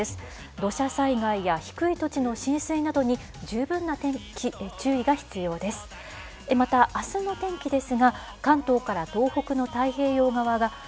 土砂災害や低い土地の浸水などに、十分な注意が必要です。